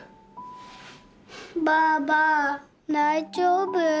ばあば大丈夫？